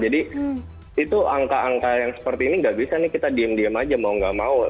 jadi itu angka angka yang seperti ini nggak bisa nih kita diem diem aja mau nggak mau